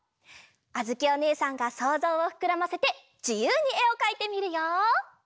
あづきおねえさんがそうぞうをふくらませてじゆうにえをかいてみるよ！